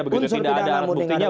tidak ada alat buktinya